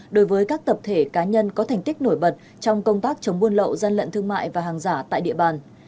đối với các tập thể cá nhân có thành tích nổi bật trong công tác chống buôn lậu gian lận thương mại và hàng giả tại địa bàn